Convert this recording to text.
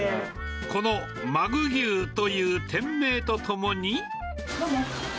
この鮪牛という店名とともに。